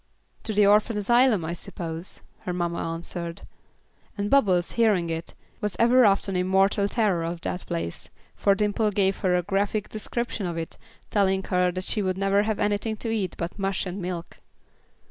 "To the orphan asylum, I suppose," her mamma answered; and Bubbles, hearing it, was ever after in mortal terror of the place, for Dimple gave her a graphic description of it, telling her she would never have anything to eat but mush and milk.